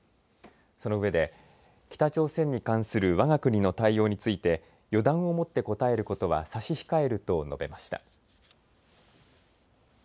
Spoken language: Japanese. そのうえで北朝鮮に関するわが国の対応について予断を持って答えることは差し控えると述べました。